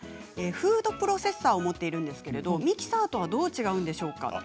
フードプロセッサーを持っているんですけれどミキサーとはどう違うんでしょうか？